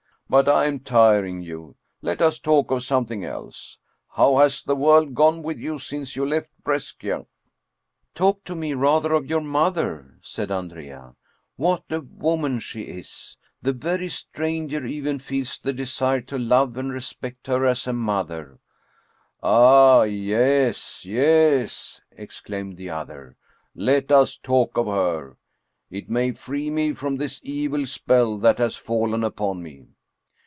But I am tiring you. Let us talk of something else. How has the world gone with you since you left Brescia ?"" Talk to me rather of your mother," said Andrea. " What a woman she is ! The very stranger even feels the desire to love and respect her as a mother." " Ah ! Yes ! yes !" exclaimed the other. " Let us talk of her it may free me from this evil spell that has fallen upon me.